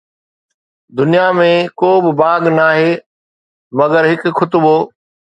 دنيا ۾ ڪو به باغ ناهي مگر هڪ خطبو!